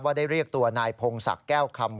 ได้เรียกตัวนายพงศักดิ์แก้วคำ